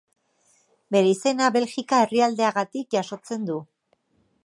Bere izena Belgika herrialdeagatik jasotzen du.